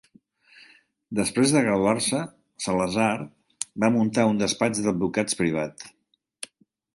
Després de graduar-se, Salazar va muntar un despatx d'advocats privat.